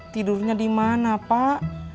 tidurnya dimana pak